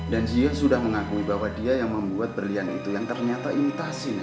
dan dia sudah mengakui bahwa dia yang membuat berdiam itu yang ternyata imitasi nek